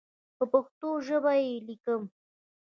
په پښتو ژبه یې لیکم.